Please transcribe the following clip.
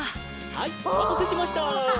はいおまたせしました。